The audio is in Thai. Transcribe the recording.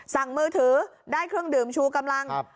มือถือได้เครื่องดื่มชูกำลัง